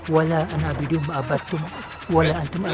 warai ada kembali dunia